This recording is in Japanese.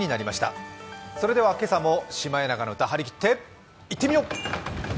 今朝も「シマエナガの歌」はりきっていってみよう！